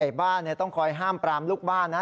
บ้านต้องคอยห้ามปรามลูกบ้านนะ